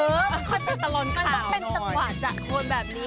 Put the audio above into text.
เออมันค่อยเป็นตลอดข่าวหน่อยมันต้องเป็นจังหวะจักรคนแบบนี้